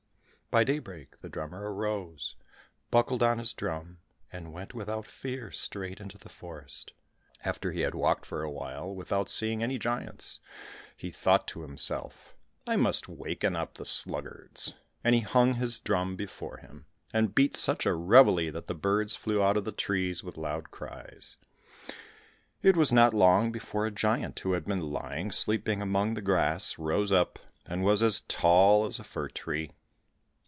By daybreak the drummer arose, buckled on his drum, and went without fear straight into the forest. After he had walked for a while without seeing any giants, he thought to himself, "I must waken up the sluggards," and he hung his drum before him, and beat such a reveille that the birds flew out of the trees with loud cries. It was not long before a giant who had been lying sleeping among the grass, rose up, and was as tall as a fir tree.